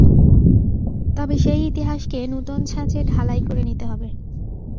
তবে সেই ইতিহাসকে নূতন ছাঁচে ঢালাই করে নিতে হবে।